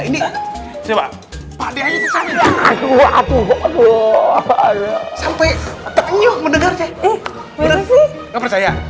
ini sebab tapi aja ke sana lagi waduh sampai terpenuh mendengar cek eh ngerti nggak percaya